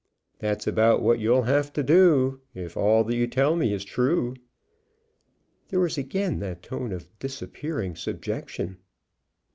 "That's about what you'll have to do if all that you tell me is true." There was again that tone of disappearing subjection.